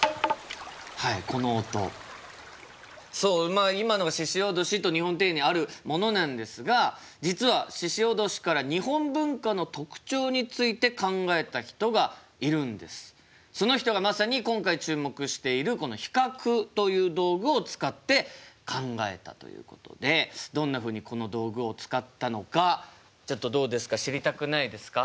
まあ今のが鹿おどしという日本庭園にあるものなんですが実はその人がまさに今回注目しているこの比較という道具を使って考えたということでどんなふうにこの道具を使ったのかちょっとどうですか知りたくないですか？